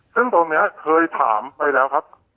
ซึ่งตรงนี้เคยถามไปแล้วครับ